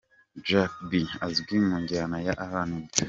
Jack B: azwi mu njyana ya RnB.